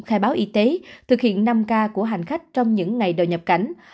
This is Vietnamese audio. khai báo y tế thực hiện năm k của hành khách trong những ngày đầu nhập cảnh